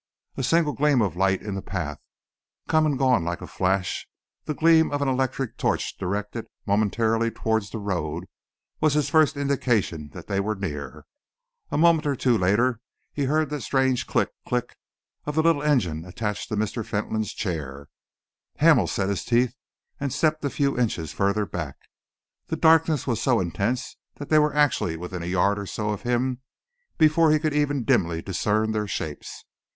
A single gleam of light in the path, come and gone like a flash, the gleam of an electric torch directed momentarily towards the road, was his first indication that they were near. A moment or two later he heard the strange click, click of the little engine attached to Mr. Fentolin's chair. Hamel set his teeth and stepped a few inches further back. The darkness was so intense that they were actually within a yard or so of him before he could even dimly discern their shapes.